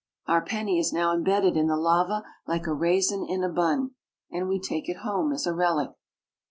Our penny is now embedded in the lava like a raisin in a bun, and we take it home as a relic.